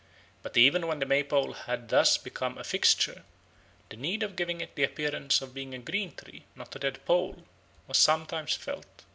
But even when the May pole had thus become a fixture, the need of giving it the appearance of being a green tree, not a dead pole, was sometimes felt.